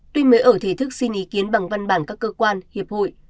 tuy mới ở thể thức xin ý kiến bằng văn bản các cơ quan hiệp hội